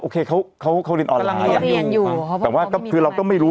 โอเคเขาเขาเขาเรียนอ่อนหลายเรียนอยู่เพราะว่าคือเราก็ไม่รู้